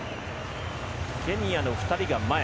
ケニアの２人が前。